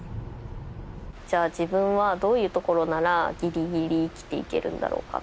じゃあ自分はどういうところならギリギリ生きていけるんだろうか？